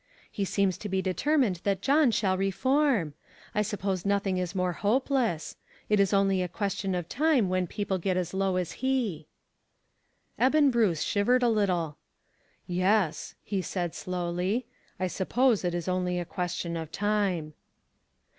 He seems to be determined that John shall re form. I suppose nothing is more hopeless. It is only a question of time when people get as low as he." Eben Bruce shivered a little. "Yes," he said slowly, "I suppose it is only a question of time."